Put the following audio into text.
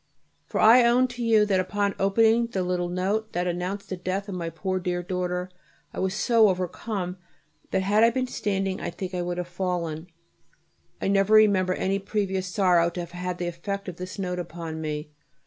for I own to you that upon opening the little note that announced the death of my poor dear daughter I was so overcome that had I been standing I think I should have fallen. I never remember any previous sorrow to have had the effect of this note upon me.